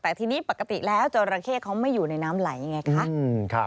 แต่ทีนี้ปกติแล้วจราเข้เขาไม่อยู่ในน้ำไหลไงคะ